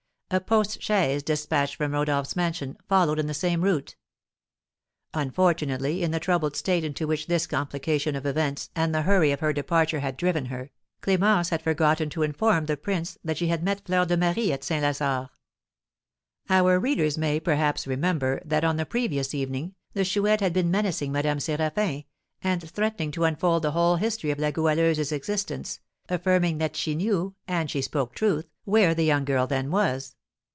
A post chaise, despatched from Rodolph's mansion, followed in the same route. Unfortunately, in the troubled state into which this complication of events and the hurry of her departure had driven her, Clémence had forgotten to inform the prince that she had met Fleur de Marie at St. Lazare. Our readers may, perhaps, remember that, on the previous evening, the Chouette had been menacing Madame Séraphin, and threatening to unfold the whole history of La Goualeuse's existence, affirming that she knew (and she spoke truth) where the young girl then was.